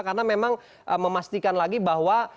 karena memang memastikan lagi bahwa